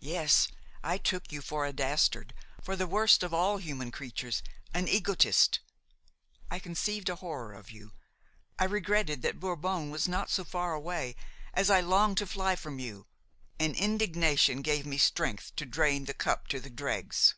"Yes, I took you for a dastard, for the worst of all human creatures, an egotist. I conceived a horror of you. I regretted that Bourbon was not so far away as I longed to fly from you, and indignation gave me strength to drain the cup to the dregs.